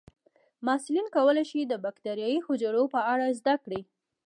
محصلین کولی شي د بکټریايي حجرو په اړه زده کړي.